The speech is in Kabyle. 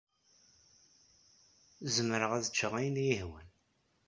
Zemreɣ ad ččeɣ ayen i yi-ihwan.